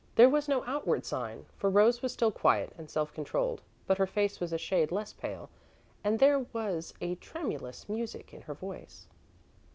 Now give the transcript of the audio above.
There was no outward sign, for Rose was still quiet and self controlled, but her face was a shade less pale and there was a tremulous music in her voice.